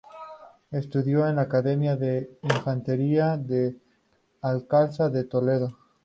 Estudió en la Academia de Infantería del Alcázar de Toledo.